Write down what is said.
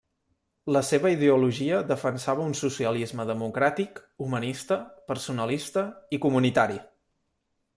La seva ideologia defensava un socialisme democràtic, humanista, personalista i comunitari.